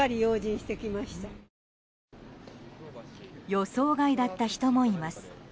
予想外だった人もいます。